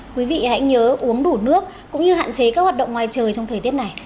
quý vị hãy nhớ uống đủ nước cũng như hạn chế các hoạt động ngoài trời trong thời tiết này